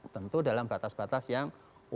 tentu dalam batas batas yang